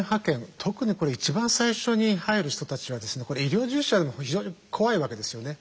特にこれ一番最初に入る人たちは医療従事者でも非常に怖いわけですよね。